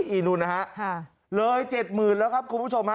อีนูนนะฮะเลย๗๐๐๐แล้วครับคุณผู้ชมฮะ